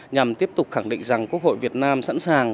nhằm tiếp tục khẳng định rằng quốc hội việt nam sẵn sàng